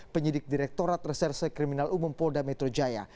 penyidik direkturat reserse kriminal umum polda metro jaya